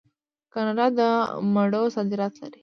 کاناډا د مڼو صادرات لري.